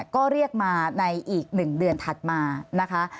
ก็เรียกมาในอีก๑เดือนถัดมานะคะ